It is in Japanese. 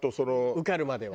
受かるまでは？